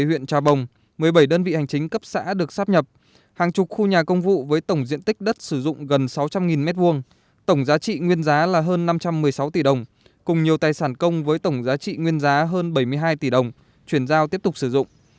huyện trà bồng một mươi bảy đơn vị hành chính cấp xã được sắp nhập hàng chục khu nhà công vụ với tổng diện tích đất sử dụng gần sáu trăm linh m hai tổng giá trị nguyên giá là hơn năm trăm một mươi sáu tỷ đồng cùng nhiều tài sản công với tổng giá trị nguyên giá hơn bảy mươi hai tỷ đồng chuyển giao tiếp tục sử dụng